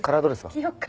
着ようか。